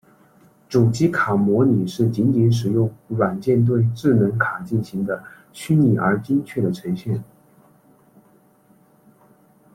主机卡模拟是仅仅使用软件对智能卡进行的虚拟而精确的呈现。